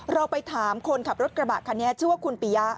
เราไปถามคนขับรถกระบะคันนี้ชื่อว่าคุณปียะ